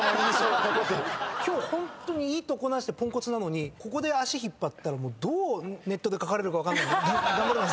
今日いいとこなしでポンコツなのにここで足引っ張ったらどうネットで書かれるか分かんないので頑張ります。